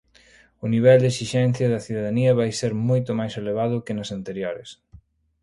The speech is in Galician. O nivel de exixencia da cidadanía vai ser moito máis elevado que nas anteriores.